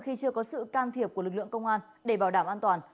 khi chưa có sự can thiệp của lực lượng công an để bảo đảm an toàn